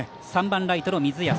３番ライトの水安